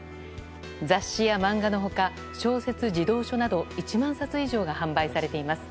雑誌や漫画の他小説、児童書など１万冊以上が販売されています。